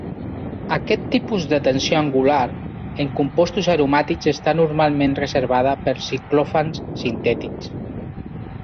Aquest tipus de tensió angular en compostos aromàtics està normalment reservada per ciclofans sintètics.